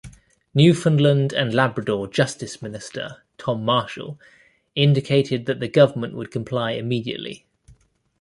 Newfoundland and Labrador Justice Minister Tom Marshall indicated that the government would comply immediately.